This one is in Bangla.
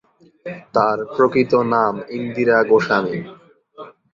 তার প্রকৃত নাম "ইন্দিরা গোস্বামী"।